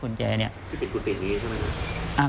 ติดกุฏติดที่นี้ใช่ไหมครับ